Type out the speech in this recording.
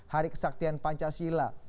hari kesaktian pancasila